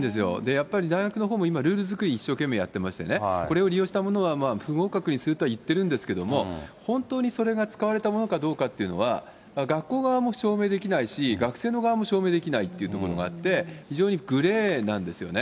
やっぱり大学のほうも今、ルール作り一生懸命やってましてね、これを利用したものは不合格にするとはいってるんですけれども、本当にそれが使われたものかどうかっていうのは、学校側も証明できないし、学生の側も証明できないというところがあって、非常にグレーなんですよね。